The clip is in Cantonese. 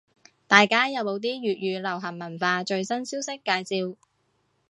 大家有冇啲粵語流行文化最新消息介紹？